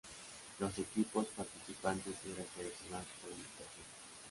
Los equipos participantes eran seleccionados por invitación.